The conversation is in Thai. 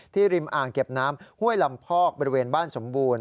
ริมอ่างเก็บน้ำห้วยลำพอกบริเวณบ้านสมบูรณ์